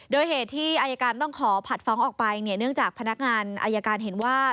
โดยเหตุที่อายการต้องขอผัดฟ้องออกไปเนี่ยเนื่องจากพนักงานอายการเห็นว่า